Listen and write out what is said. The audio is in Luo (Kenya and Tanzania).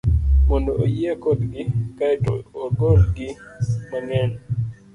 mondo oyie kodgi, kae to igology mang'eny